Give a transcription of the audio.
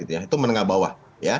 itu menengah bawah